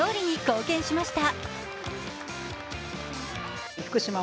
日本の勝利に貢献しました。